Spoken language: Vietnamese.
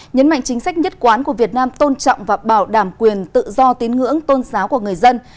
nhấn mạnh chính sách nhất quán của việt nam tôn trọng và bảo đảm quyền tự do tín ngưỡng tôn giáo của người dân